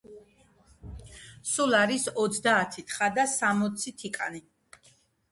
სულ არის ოცდაათი თხა და სამოცი თიკანი.